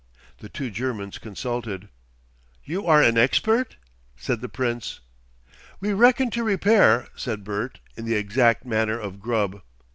The two Germans consulted. "You are an expert?" said the Prince. "We reckon to repair," said Bert, in the exact manner of Grubb.